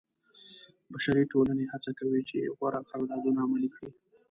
بشري ټولنې هڅه کوي چې غوره قراردادونه عملي کړي.